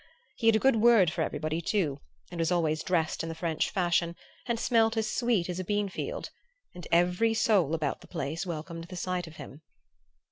He had a good word for everybody, too, and was always dressed in the French fashion, and smelt as sweet as a bean field; and every soul about the place welcomed the sight of him.